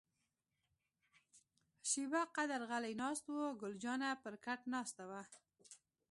شیبه قدر غلي ناست وو، ګل جانه پر کټ ناسته وه.